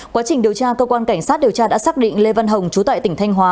quá trình điều tra cơ quan cảnh sát điều tra đã xác định lê văn hồng chú tại tỉnh thanh hóa